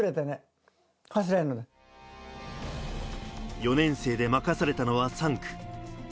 ４年生で任されたのは３区。